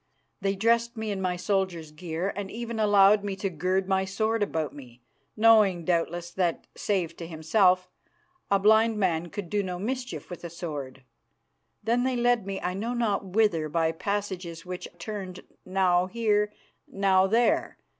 They dressed me in my soldier's gear, and even allowed me to gird my sword about me, knowing, doubtless, that, save to himself, a blind man could do no mischief with a sword. Then they led me I know not whither by passages which turned now here, now there.